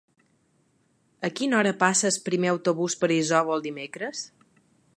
A quina hora passa el primer autobús per Isòvol dimecres?